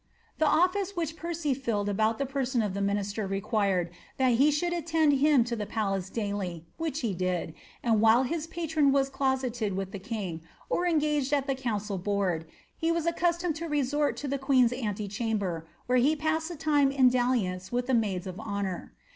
The office which Percy filled about the person of the minister required that he should attend him to the palace daily, which he did, and while his patron wai closeted with the king, or engaged at the council board, he was accus tomed to resort to the queen's antechamber, where he passed the time in dalliance with the maids of honour.